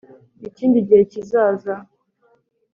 ikindi gihe cyizaza